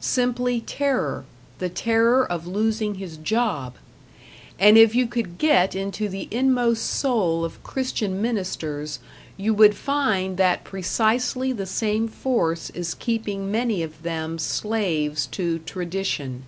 Simply terror, the terror of losing his job. And if you could get into the inmost soul of Christian ministers, you would find that precisely the same force is keeping many of them slaves to Tradition.